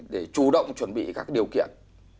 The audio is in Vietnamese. để chủ động chuẩn bị các điều kiện